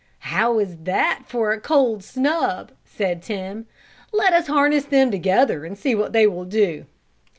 "How is that for a cold snub!" said Tim. "Let us harness them together and see what they will do."